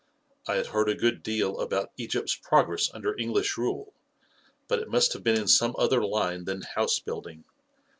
I had heard a good deal about Egypt's prog ress under English rule, but it must have been in some other line than house building.